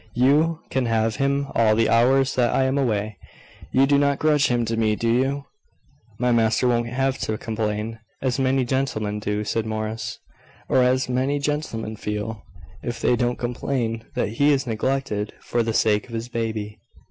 You can have him all the hours that I am away. You do not grudge him to me, do you?" "My master won't have to complain, as many gentlemen do," said Morris, "or as many gentlemen feel, if they don't complain, that he is neglected for the sake of his baby."